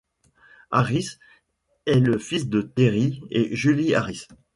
Harris est le fils de Terry et Julie Harris.